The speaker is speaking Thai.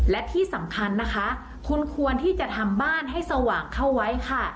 และที่สำคัญนะคะคุณควรที่จะทำบ้านให้สว่างเข้าไว้ค่ะ